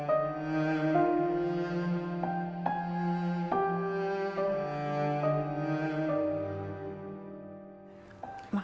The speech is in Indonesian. oh bentar aja ah